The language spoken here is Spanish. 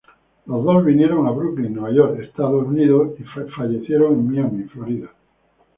Los dos vinieron a Brooklyn, Nueva York, Estados Unidos, y fallecieron en Miami, Florida.